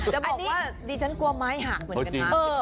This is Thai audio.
จะบอกว่าดิฉันกลัวไม้ห่างเหมือนกันนะ